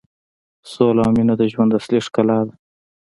سوله او مینه د ژوند اصلي ښکلا ده.